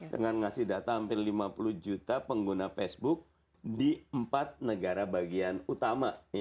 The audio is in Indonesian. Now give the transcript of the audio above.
dengan ngasih data hampir lima puluh juta pengguna facebook di empat negara bagian utama